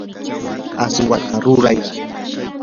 aswata ruray.